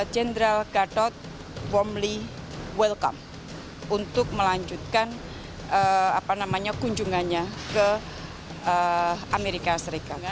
jenderal gatot wormly welcome untuk melanjutkan kunjungannya ke amerika serikat